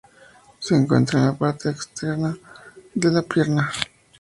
Se encuentra en la parte externa de la pierna.